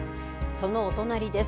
そのお隣です。